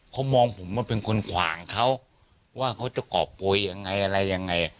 เขามองผมว่าเป็นคนขวางเขาว่าเขาจะกรอบโกยยังไงอะไรยังไง